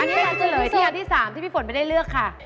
อันนี้เฉลยที่อันที่๓ที่พี่ฝนไม่ได้เลือกค่ะ